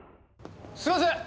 すいません。